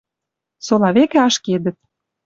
Сола векӹ ашкедӹт.